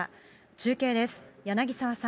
中継です。